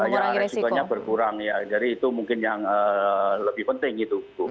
ya resikonya berkurang ya jadi itu mungkin yang lebih penting itu